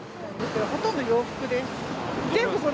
ほとんど洋服です。